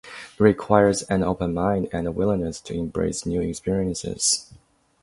It requires an open mind and a willingness to embrace new experiences.